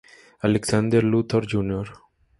Alexander Luthor Jr.